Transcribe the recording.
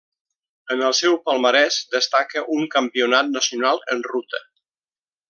En el seu palmarès destaca un campionat nacional en ruta.